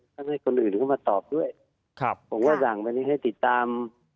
ต้องให้คนอื่นเข้ามาตอบด้วยผมก็สั่งไปนี่ให้ติดตาม